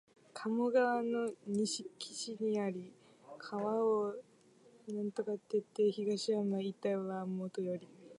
加茂川の西岸にあり、川を隔てて東山一帯はもとより、